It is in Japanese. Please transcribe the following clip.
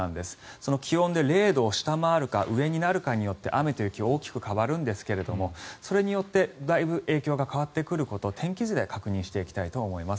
その気温で０度を下回るか上になるかで雨と雪、大きく変わるんですがそれによってだいぶ影響が変わってくることを天気図で確認していきたいと思います。